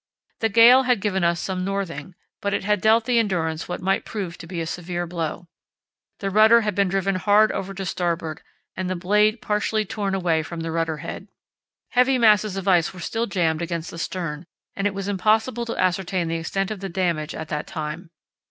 The gale had given us some northing, but it had dealt the Endurance what might prove to be a severe blow. The rudder had been driven hard over to starboard and the blade partially torn away from the rudder head. Heavy masses of ice were still jammed against the stern, and it was impossible to ascertain the extent of the damage at that time.